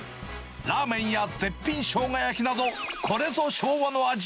ラーメンや絶品しょうが焼きなど、これぞ昭和の味。